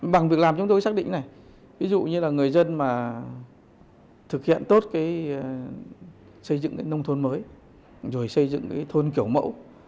bằng việc làm chúng tôi xác định này ví dụ như là người dân mà thực hiện tốt cái xây dựng nông thôn mới rồi xây dựng cái thôn kiểu mẫu